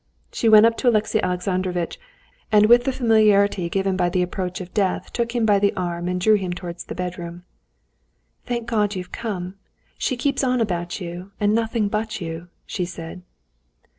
She went up to Alexey Alexandrovitch, and with the familiarity given by the approach of death took him by the arm and drew him towards the bedroom. "Thank God you've come! She keeps on about you and nothing but you," she said.